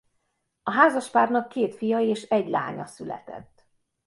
A házaspárnak két fia és egy lánya született.